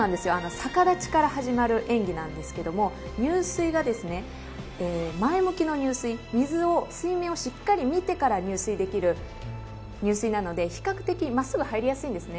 逆立ちから始まる演技なんですが入水が前向きの入水水面をしっかり見てから入水できる入水なので比較的真っすぐ入りやすいんですね。